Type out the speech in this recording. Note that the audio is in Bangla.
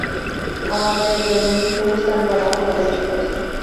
আমাদের এক এজেন্টের শূন্যস্থান পূরণে অপর কানো এজেন্ট সবসময় প্রস্তুত থাকে।